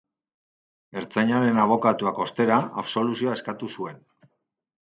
Ertzainaren abokatuak, ostera, absoluzioa eskatu zuen.